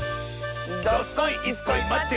どすこいいすこいまってるよ！